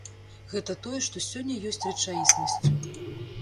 Гэта тое, што сёння ёсць рэчаіснасцю.